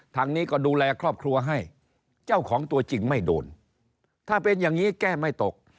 ทางนี้ก็ดูแลครอบครัวให้เจ้าของตัวจริงไม่โดนถ้าเป็นอย่างนี้แก้ไม่ตก